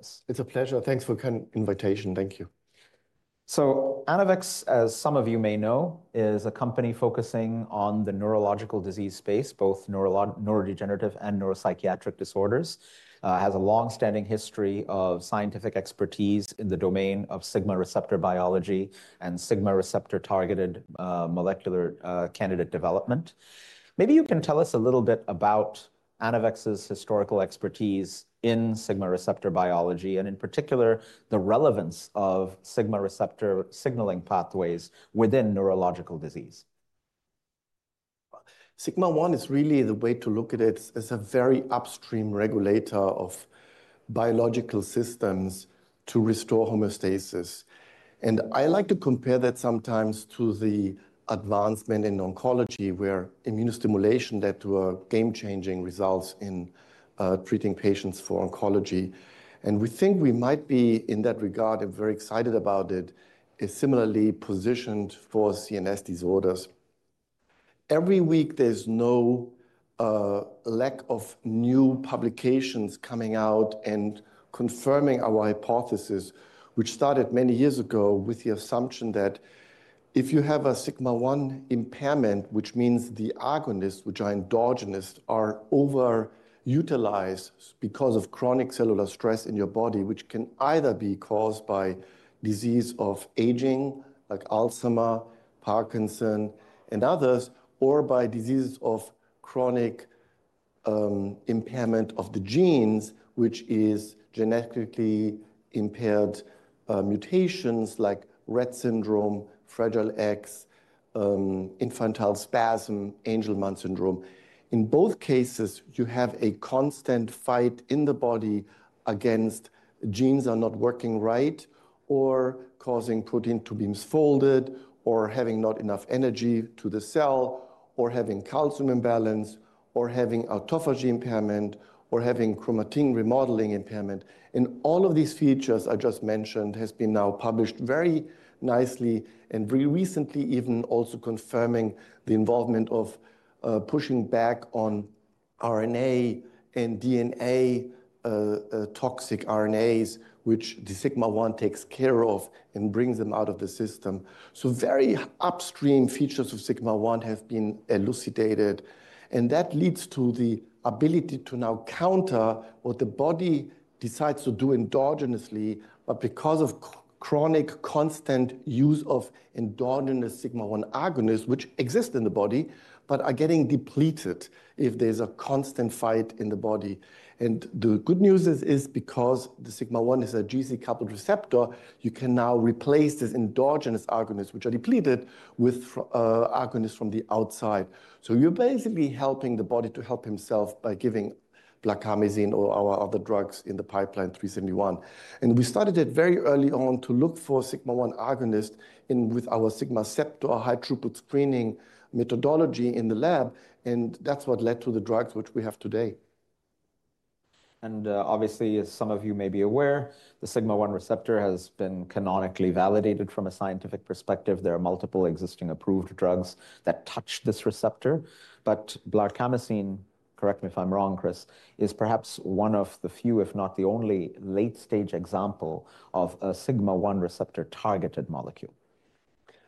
Have you with us. It's a pleasure. Thanks for kind invitation. Thank you. So Anavex, as some of you may know, is a company focusing on the neurological disease space, both neurodegenerative and neuropsychiatric disorders. Has a long-standing history of scientific expertise in the domain of sigma receptor biology and sigma receptor targeted molecular candidate development. Maybe you can tell us a little bit about Anavex's historical expertise in sigma receptor biology, and in particular, the relevance of sigma receptor signaling pathways within neurological disease? Sigma-1 is really the way to look at it as a very upstream regulator of biological systems to restore homeostasis. And I like to compare that sometimes to the advancement in oncology, where immunostimulation that were game-changing results in, treating patients for oncology. And we think we might be, in that regard, and very excited about it, is similarly positioned for CNS disorders. Every week, there's no lack of new publications coming out and confirming our hypothesis, which started many years ago with the assumption that if you have a Sigma-1 impairment, which means the agonists, which are endogenous, are over-utilized because of chronic cellular stress in your body, which can either be caused by disease of aging, like Alzheimer's, Parkinson's, and others, or by diseases of chronic impairment of the genes, which is genetically impaired mutations like Rett syndrome, Fragile X, infantile spasms, Angelman syndrome. In both cases, you have a constant fight in the body against genes are not working right, or causing protein to be misfolded, or having not enough energy to the cell, or having calcium imbalance, or having autophagy impairment, or having chromatin remodeling impairment. All of these features I just mentioned has been now published very nicely and very recently, even also confirming the involvement of pushing back on RNA and DNA, toxic RNAs, which the Sigma-1 takes care of and brings them out of the system. Very upstream features of Sigma-1 have been elucidated, and that leads to the ability to now counter what the body decides to do endogenously. But because of chronic constant use of endogenous sigma-one agonists, which exist in the body but are getting depleted if there's a constant fight in the body. The good news is because the Sigma-1 is a G protein-coupled receptor, you can now replace these endogenous agonists, which are depleted, with agonists from the outside. So you're basically helping the body to help himself by giving Blarcamesine or our other drugs in the pipeline, 3-71. And we started it very early on to look for sigma-1 agonist with our sigma-1 high-throughput screening methodology in the lab, and that's what led to the drugs which we have today. Obviously, as some of you may be aware, the Sigma-1 receptor has been canonically validated from a scientific perspective. There are multiple existing approved drugs that touch this receptor. But Blarcamesine, correct me if I'm wrong, Chris, is perhaps one of the few, if not the only, late-stage example of a Sigma-1 receptor-targeted molecule.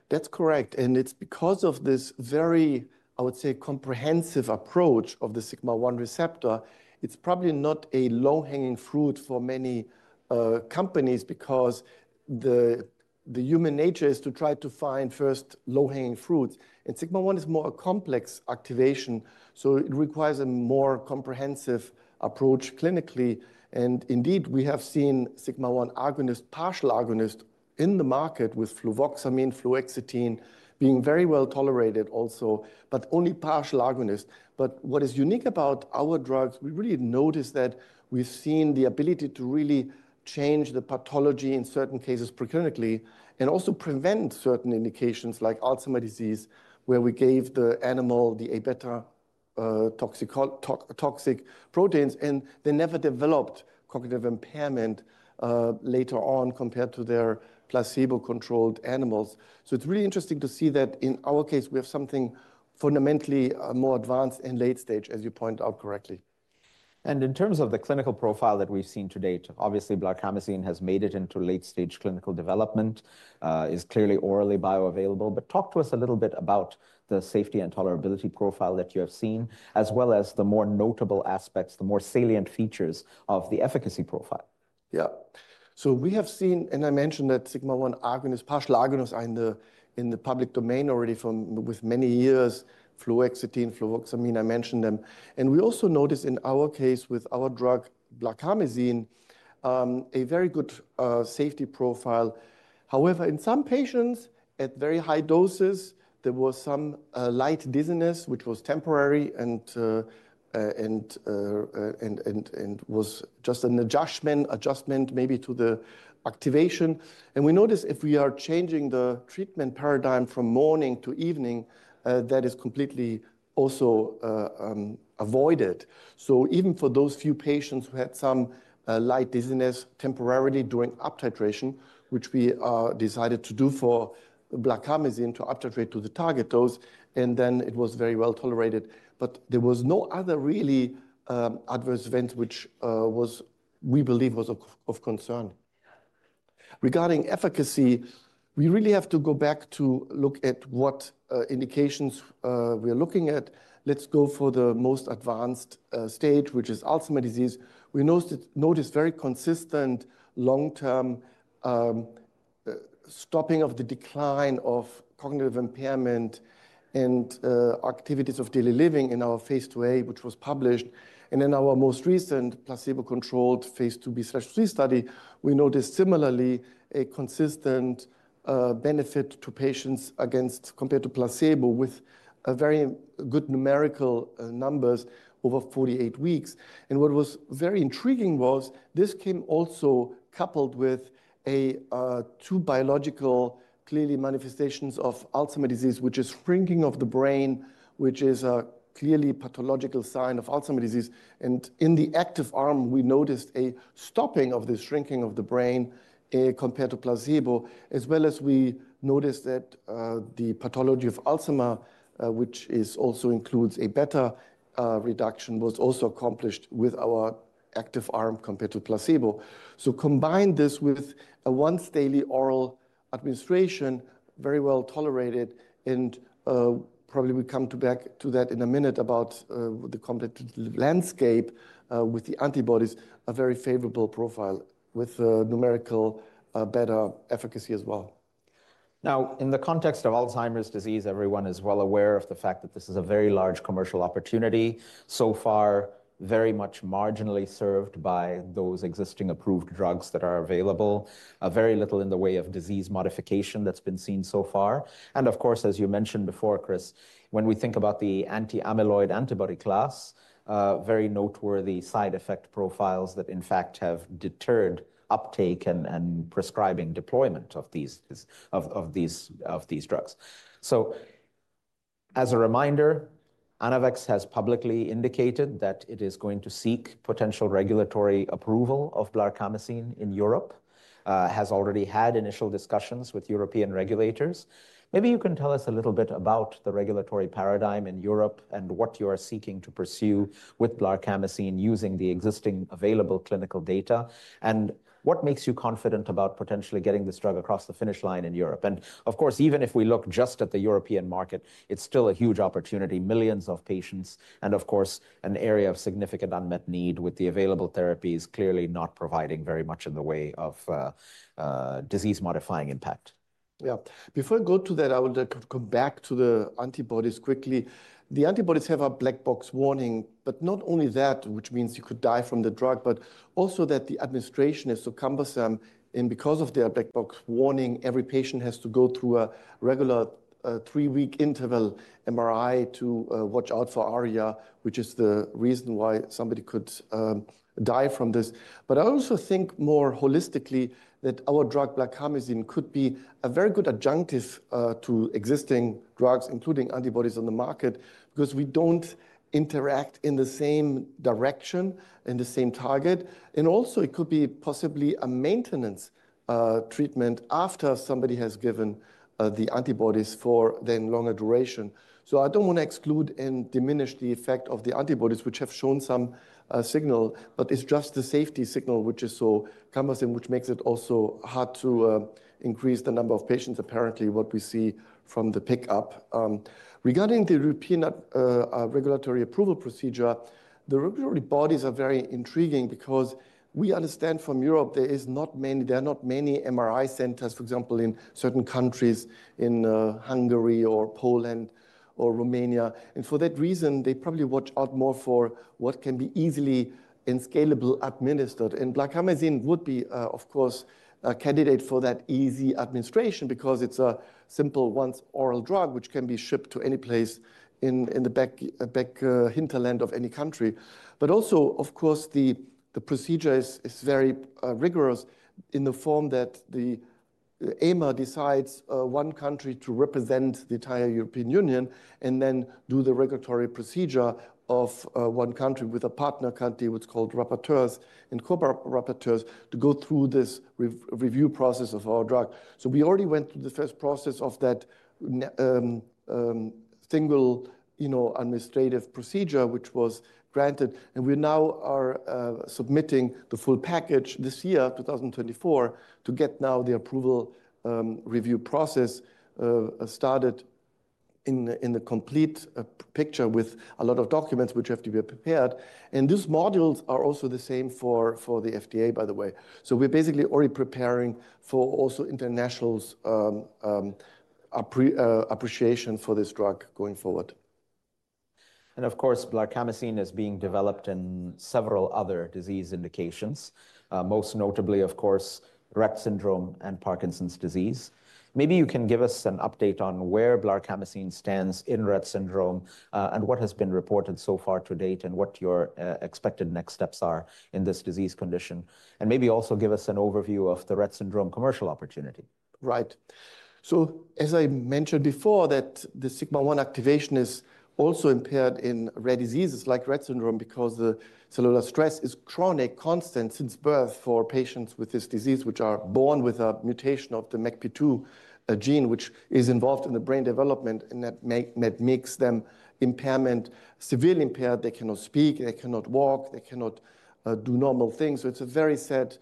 That's correct, and it's because of this very, I would say, comprehensive approach of the sigma-1 receptor. It's probably not a low-hanging fruit for many companies, because the human nature is to try to find first low-hanging fruits. And sigma-1 is more a complex activation, so it requires a more comprehensive approach clinically. And indeed, we have seen sigma-1 agonist, partial agonist in the market with fluvoxamine, fluoxetine being very well tolerated also, but only partial agonist. But what is unique about our drugs, we really noticed that we've seen the ability to really change the pathology in certain cases preclinically, and also prevent certain indications like Alzheimer's disease, where we gave the animal the A beta toxic proteins, and they never developed cognitive impairment later on, compared to their placebo-controlled animals. It's really interesting to see that in our case, we have something fundamentally more advanced in late stage, as you pointed out correctly. In terms of the clinical profile that we've seen to date, obviously, Blarcamesine has made it into late-stage clinical development, is clearly orally bioavailable. But talk to us a little bit about the safety and tolerability profile that you have seen, as well as the more notable aspects, the more salient features of the efficacy profile. Yeah. So we have seen, and I mentioned that sigma-1 agonist, partial agonist, are in the public domain already for many years, fluoxetine, fluvoxamine, I mentioned them. And we also noticed in our case with our drug, Blarcamesine, a very good safety profile. However, in some patients, at very high doses, there was some light dizziness, which was temporary and was just an adjustment, adjustment maybe to the activation. And we noticed if we are changing the treatment paradigm from morning to evening, that is completely avoided. So even for those few patients who had some light dizziness temporarily during uptitration, which we decided to do for Blarcamesine, to uptitrate to the target dose, and then it was very well tolerated. But there was no other really, adverse event, which was—we believe, was of, of concern. Regarding efficacy, we really have to go back to look at what, indications, we are looking at. Let's go for the most advanced, stage, which is Alzheimer's disease. We noticed, noticed very consistent long-term, stopping of the decline of cognitive impairment and, activities of daily living in our phase II-A, which was published. And in our most recent placebo-controlled phase II-B/III study, we noticed similarly a consistent, benefit to patients against compared to placebo, with a very good numerical, numbers over 48 weeks. And what was very intriguing was this came also coupled with a, two biological clearly manifestations of Alzheimer's disease, which is shrinking of the brain, which is a clearly pathological sign of Alzheimer's disease. In the active arm, we noticed a stopping of the shrinking of the brain, compared to placebo, as well as we noticed that the pathology of Alzheimer's, which is also includes a better reduction, was also accomplished with our active arm compared to placebo. So combine this with a once-daily oral administration, very well tolerated, and probably we come back to that in a minute about the competitive landscape with the antibodies, a very favorable profile, with a numerical better efficacy as well. Now, in the context of Alzheimer's disease, everyone is well aware of the fact that this is a very large commercial opportunity. So far, very much marginally served by those existing approved drugs that are available. Very little in the way of disease modification that's been seen so far, and of course, as you mentioned before, Chris, when we think about the anti-amyloid antibody class, very noteworthy side effect profiles that in fact have deterred uptake and prescribing deployment of these drugs. So as a reminder, Anavex has publicly indicated that it is going to seek potential regulatory approval of Blarcamesine in Europe, has already had initial discussions with European regulators. Maybe you can tell us a little bit about the regulatory paradigm in Europe and what you are seeking to pursue with Blarcamesine using the existing available clinical data, and what makes you confident about potentially getting this drug across the finish line in Europe? Of course, even if we look just at the European market, it's still a huge opportunity, millions of patients, and of course, an area of significant unmet need, with the available therapies clearly not providing very much in the way of disease-modifying impact. Yeah. Before I go to that, I would like to come back to the antibodies quickly. The antibodies have a black box warning, but not only that, which means you could die from the drug, but also that the administration is so cumbersome, and because of their black box warning, every patient has to go through a regular, three-week interval MRI to watch out for ARIA, which is the reason why somebody could die from this. But I also think more holistically that our drug, Blarcamesine, could be a very good adjunctive to existing drugs, including antibodies on the market, because we don't interact in the same direction, in the same target. And also, it could be possibly a maintenance treatment after somebody has given the antibodies for then longer duration. So I don't want to exclude and diminish the effect of the antibodies, which have shown some signal, but it's just the safety signal which is so cumbersome, which makes it also hard to increase the number of patients, apparently what we see from the pick up. Regarding the European regulatory approval procedure, the regulatory bodies are very intriguing because we understand from Europe there are not many MRI centers, for example, in certain countries, in Hungary or Poland or Romania. And for that reason, they probably watch out more for what can be easily and scalable administered. And Blarcamesine would be, of course, a candidate for that easy administration because it's a simple once oral drug, which can be shipped to any place in the back hinterland of any country. But also, of course, the procedure is very rigorous in the form that the EMA decides one country to represent the entire European Union and then do the regulatory procedure of one country with a partner country, what's called rapporteurs and co-rapporteurs, to go through this review process of our drug. So we already went through the first process of that single, you know, administrative procedure, which was granted, and we now are submitting the full package this year, 2024, to get now the approval review process started in the complete picture with a lot of documents which have to be prepared. And these modules are also the same for the FDA, by the way. So we're basically already preparing for also international appreciation for this drug going forward. Of course, Blarcamesine is being developed in several other disease indications, most notably, of course, Rett syndrome and Parkinson's disease. Maybe you can give us an update on where Blarcamesine stands in Rett syndrome, and what has been reported so far to date, and what your expected next steps are in this disease condition. Maybe also give us an overview of the Rett syndrome commercial opportunity. Right. So as I mentioned before, that the sigma-1 activation is also impaired in rare diseases like Rett syndrome, because the cellular stress is chronic, constant since birth for patients with this disease, which are born with a mutation of the MECP2, a gene which is involved in the brain development, and that makes them severely impaired. They cannot speak, they cannot walk, they cannot do normal things. So it's a very sad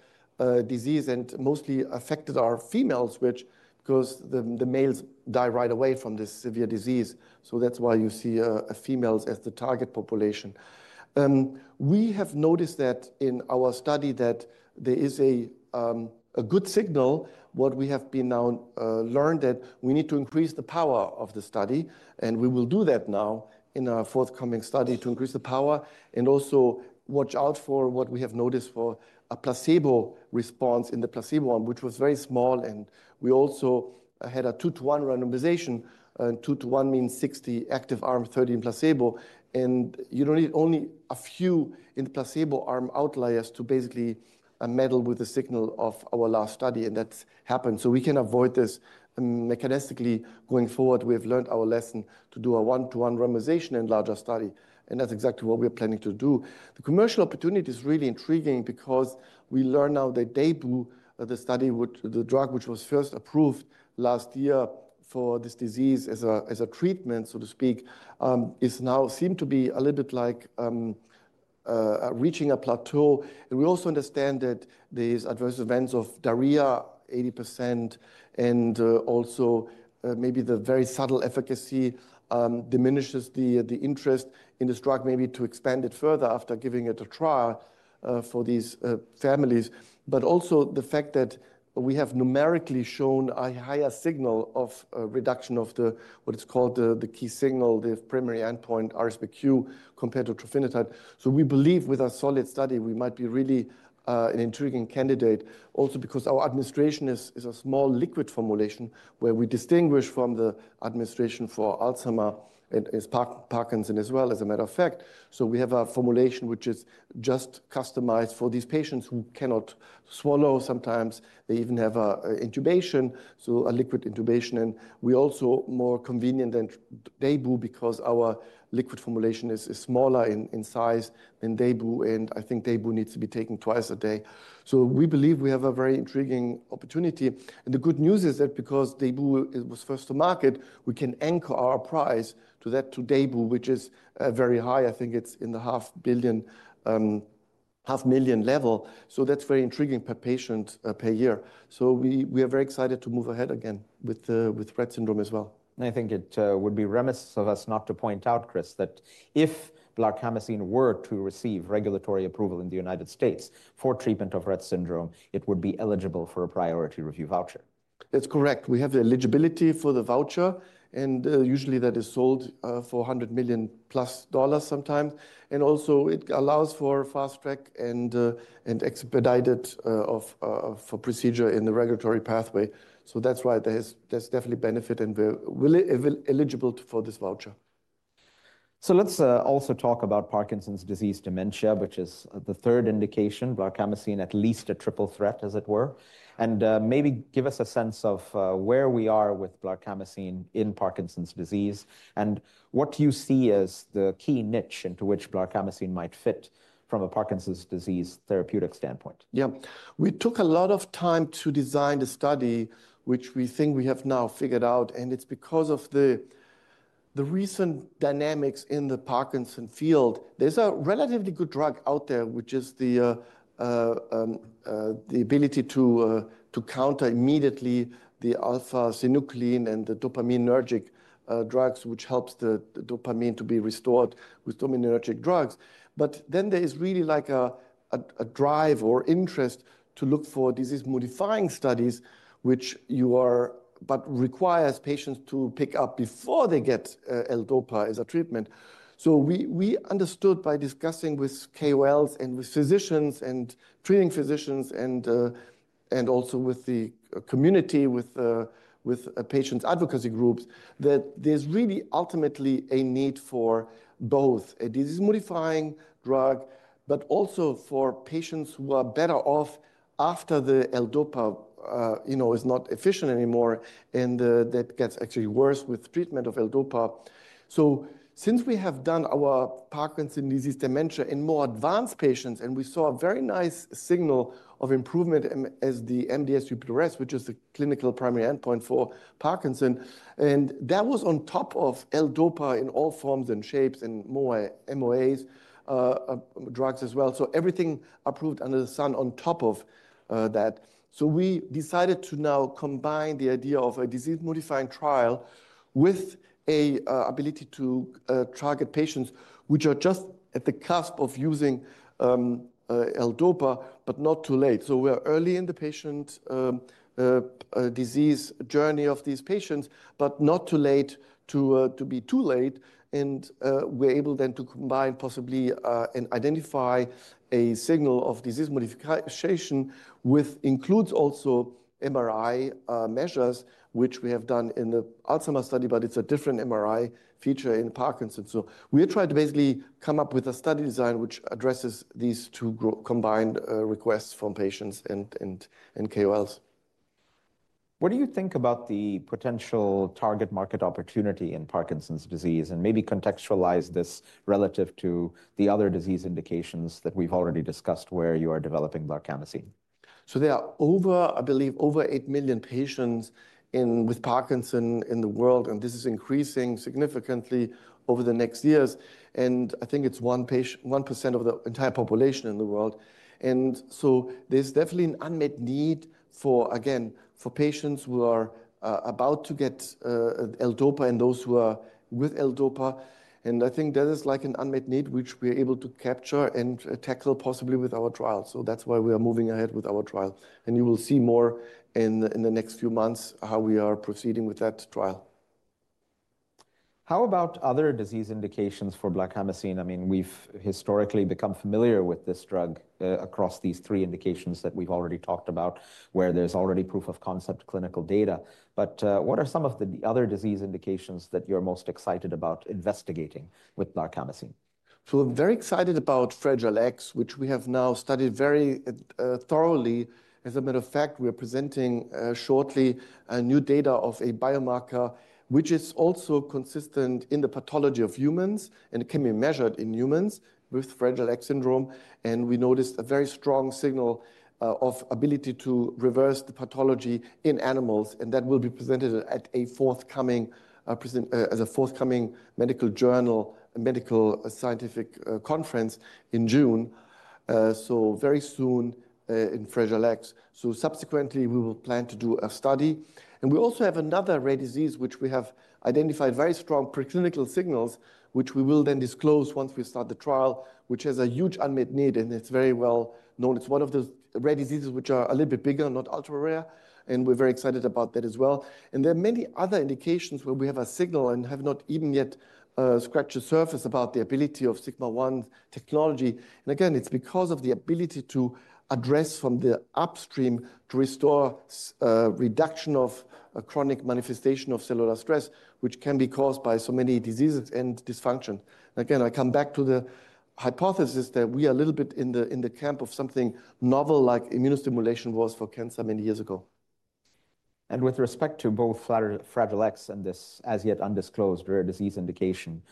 disease, and mostly affected are females, which 'cause the males die right away from this severe disease. So that's why you see females as the target population. We have noticed that in our study, that there is a good signal. What we have been now learned that we need to increase the power of the study, and we will do that now in our forthcoming study to increase the power, and also watch out for what we have noticed for a placebo response in the placebo arm, which was very small. We also had a two-to-one randomization. Two to one means 60 active arm, 30 in placebo, and you don't need only a few in the placebo arm outliers to basically meddle with the signal of our last study, and that's happened. So we can avoid this mechanistically going forward. We have learned our lesson to do a one-to-one randomization and larger study, and that's exactly what we are planning to do. The commercial opportunity is really intriguing because we learn now that they do the study with the drug, which was first approved last year for this disease as a treatment, so to speak, is now seen to be a little bit like reaching a plateau. We also understand that these adverse events of diarrhea, 80%, and also maybe the very subtle efficacy diminishes the interest in this drug, maybe to expand it further after giving it a trial for these families. But also the fact that we have numerically shown a higher signal of a reduction of the what is called the key signal, the primary endpoint, RSBQ, compared to trofinetide. So we believe with a solid study, we might be really an intriguing candidate. Also because our administration is a small liquid formulation where we distinguish from the administration for Alzheimer's and Parkinson's as well, as a matter of fact. So we have a formulation which is just customized for these patients who cannot swallow. Sometimes they even have a intubation, so a liquid intubation. And we also more convenient than DAYBUE, because our liquid formulation is smaller in size than DAYBUE, and I think DAYBUE needs to be taken twice a day. So we believe we have a very intriguing opportunity. And the good news is that because DAYBUE it was first to market, we can anchor our price to that, to DAYBUE, which is very high. I think it's in the $500,000 level, so that's very intriguing per patient per year. So we are very excited to move ahead again with Rett syndrome as well. I think it would be remiss of us not to point out, Chris, that if Blarcamesine were to receive regulatory approval in the United States for treatment of Rett syndrome, it would be eligible for a priority review voucher. That's correct. We have the eligibility for the voucher, and usually that is sold for $100 million+ sometimes. And also it allows for fast track and expedited procedure in the regulatory pathway. So that's why there's definitely benefit, and we're eligible for this voucher. So let's also talk about Parkinson's disease dementia, which is the third indication, Blarcamesine, at least a triple threat, as it were. And maybe give us a sense of where we are with Blarcamesine in Parkinson's disease and what you see as the key niche into which Blarcamesine might fit from a Parkinson's disease therapeutic standpoint. Yeah. We took a lot of time to design the study, which we think we have now figured out, and it's because of the recent dynamics in the Parkinson field. There's a relatively good drug out there, which is the ability to counter immediately the alpha-synuclein and the dopaminergic drugs, which helps the dopamine to be restored with dopaminergic drugs. But then there is really like a drive or interest to look for disease-modifying studies, which you are... But requires patients to pick up before they get L-DOPA as a treatment. So we understood by discussing with KOLs and with physicians and treating physicians and also with the community, with patient advocacy groups, that there's really ultimately a need for both a disease-modifying drug, but also for patients who are better off after the L-DOPA, you know, is not efficient anymore, and that gets actually worse with treatment of L-DOPA. So since we have done our Parkinson's disease dementia in more advanced patients, and we saw a very nice signal of improvement in the MDS-UPDRS, which is the clinical primary endpoint for Parkinson's. And that was on top of L-DOPA in all forms and shapes and more MOAs, drugs as well. So everything approved under the sun on top of that. So we decided to now combine the idea of a disease-modifying trial with a ability to target patients which are just at the cusp of using L-DOPA, but not too late. So we are early in the patient disease journey of these patients, but not too late to to be too late. And we're able then to combine possibly and identify a signal of disease modification, with includes also MRI measures, which we have done in the Alzheimer's study, but it's a different MRI feature in Parkinson's. So we are trying to basically come up with a study design which addresses these two combined requests from patients and KOLs. What do you think about the potential target market opportunity in Parkinson's disease? And maybe contextualize this relative to the other disease indications that we've already discussed, where you are developing Blarcamesine. There are over, I believe, over 8 million patients with Parkinson's in the world, and this is increasing significantly over the next years. I think it's 1% of the entire population in the world. So there's definitely an unmet need for, again, for patients who are about to get L-DOPA and those who are with L-DOPA. I think that is like an unmet need, which we are able to capture and tackle possibly with our trial. So that's why we are moving ahead with our trial, and you will see more in, in the next few months, how we are proceeding with that trial. How about other disease indications for Blarcamesine? I mean, we've historically become familiar with this drug across these three indications that we've already talked about, where there's already proof of concept clinical data. But, what are some of the other disease indications that you're most excited about investigating with Blarcamesine? So I'm very excited about Fragile X, which we have now studied very thoroughly. As a matter of fact, we are presenting shortly a new data of a biomarker, which is also consistent in the pathology of humans, and it can be measured in humans with Fragile X syndrome. And we noticed a very strong signal of ability to reverse the pathology in animals, and that will be presented at a forthcoming medical scientific conference in June, so very soon, in Fragile X. So subsequently, we will plan to do a study. And we also have another rare disease, which we have identified very strong preclinical signals, which we will then disclose once we start the trial, which has a huge unmet need, and it's very well known. It's one of the rare diseases which are a little bit bigger, not ultra-rare, and we're very excited about that as well. And there are many other indications where we have a signal and have not even yet scratched the surface about the ability of Sigma-1 technology. And again, it's because of the ability to address from the upstream to restore reduction of a chronic manifestation of cellular stress, which can be caused by so many diseases and dysfunction. Again, I come back to the hypothesis that we are a little bit in the, in the camp of something novel, like immunostimulation was for cancer many years ago. With respect to both Fragile X and this as-yet-undisclosed rare disease indication,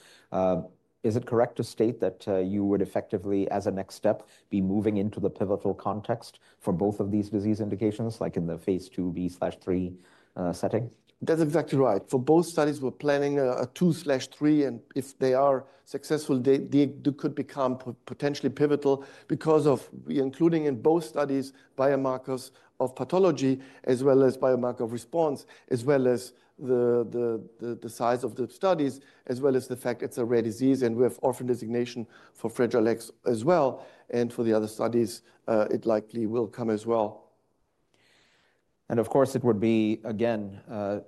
is it correct to state that you would effectively, as a next step, be moving into the pivotal context for both of these disease indications, like in the phase II-B/III setting? That's exactly right. For both studies, we're planning a II/III, and if they are successful, they could become potentially pivotal because of we including in both studies, biomarkers of pathology, as well as biomarker of response, as well as the size of the studies, as well as the fact it's a rare disease, and we have orphan designation for Fragile X as well, and for the other studies, it likely will come as well. Of course, it would be, again,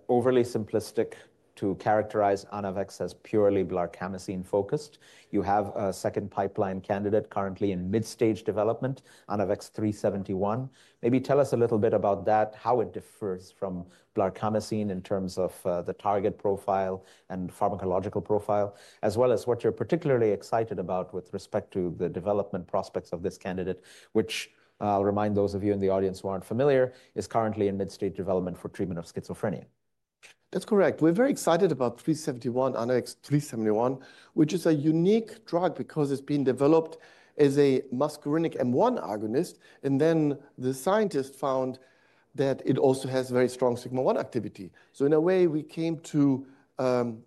overly simplistic to characterize Anavex as purely Blarcamesine focused. You have a second pipeline candidate currently in mid-stage development, Anavex 3-71. Maybe tell us a little bit about that, how it differs from Blarcamesine in terms of, the target profile and pharmacological profile, as well as what you're particularly excited about with respect to the development prospects of this candidate, which I'll remind those of you in the audience who aren't familiar, is currently in mid-stage development for treatment of schizophrenia. That's correct. We're very excited about 3-71, Anavex 3-71, which is a unique drug because it's been developed as a muscarinic M1 agonist, and then the scientists found that it also has very strong Sigma-1 activity. So in a way, we came to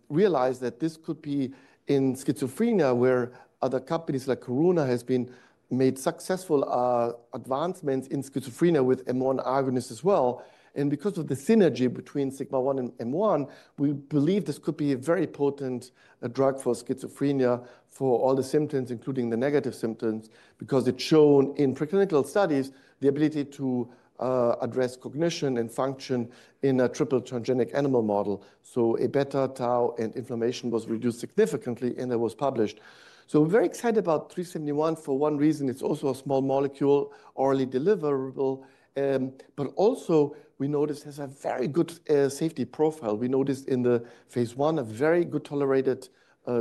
realize that this could be in schizophrenia, where other companies like Karuna has been made successful advancements in schizophrenia with M1 agonists as well. And because of the synergy between Sigma-1 and M1, we believe this could be a very potent drug for schizophrenia, for all the symptoms, including the negative symptoms, because it's shown in preclinical studies the ability to address cognition and function in a triple transgenic animal model. So A beta, tau, and inflammation was reduced significantly, and it was published. So we're very excited about 3-71 for one reason. It's also a small molecule, orally deliverable, but also we noticed it has a very good safety profile. We noticed in the phase I, a very good tolerated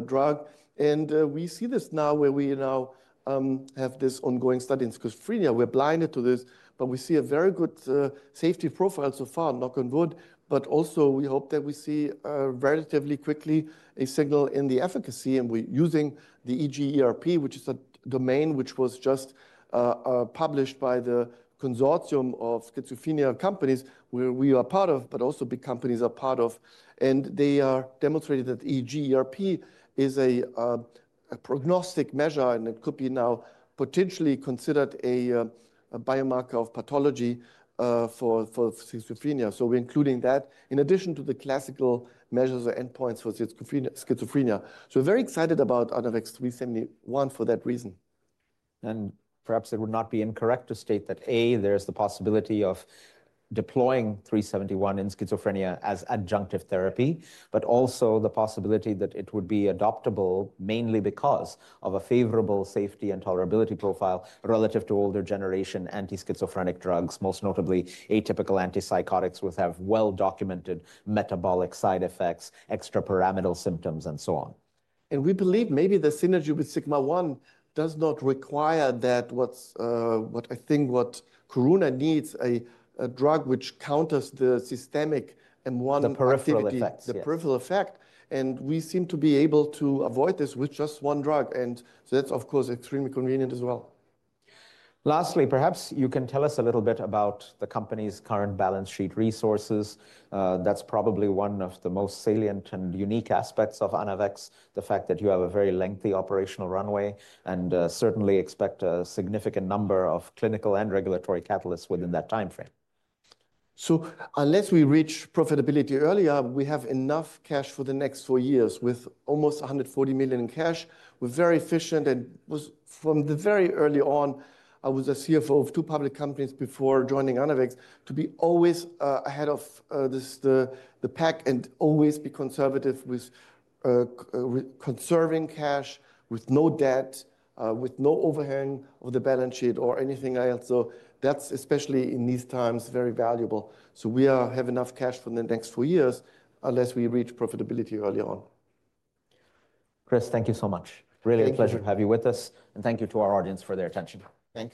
drug, and we see this now where we now have this ongoing study in schizophrenia. We're blinded to this, but we see a very good safety profile so far, knock on wood. But also, we hope that we see relatively quickly a signal in the efficacy, and we're using the EEG/ERP, which is a domain which was just published by the consortium of schizophrenia companies, where we are part of, but also big companies are part of. And they are demonstrating that EEG/ERP is a prognostic measure, and it could be now potentially considered a biomarker of pathology for schizophrenia. We're including that in addition to the classical measures or endpoints for schizophrenia, schizophrenia. We're very excited about Anavex 3-71 for that reason. Perhaps it would not be incorrect to state that, A, there's the possibility of deploying 3-71 in schizophrenia as adjunctive therapy, but also the possibility that it would be adoptable mainly because of a favorable safety and tolerability profile relative to older generation anti-schizophrenic drugs, most notably atypical antipsychotics, which have well-documented metabolic side effects, extrapyramidal symptoms, and so on. And we believe maybe the synergy with Sigma-1 does not require that, what I think what Karuna needs, a drug which counters the systemic M1 activity- The peripheral effects, yes. The peripheral effect, and we seem to be able to avoid this with just one drug, and so that's, of course, extremely convenient as well. Lastly, perhaps you can tell us a little bit about the company's current balance sheet resources. That's probably one of the most salient and unique aspects of Anavex, the fact that you have a very lengthy operational runway and certainly expect a significant number of clinical and regulatory catalysts within that time frame. So unless we reach profitability earlier, we have enough cash for the next four years with almost $140 million in cash. We're very efficient and from the very early on, I was a CFO of two public companies before joining Anavex, to be always ahead of the pack and always be conservative with conserving cash, with no debt, with no overhang of the balance sheet or anything else. So that's, especially in these times, very valuable. So we are have enough cash for the next four years, unless we reach profitability early on. Chris, thank you so much. Thank you. Really a pleasure to have you with us, and thank you to our audience for their attention. Thank you.